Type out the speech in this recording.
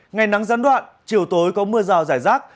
ngày nắng gián đoạn chiều tối có mưa rào rải rác